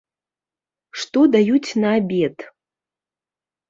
Што даюць на абед?